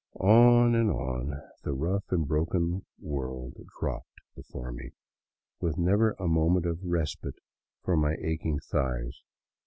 On and on the rough and broken world dropped before me, with never a moment of respite for my aching thighs.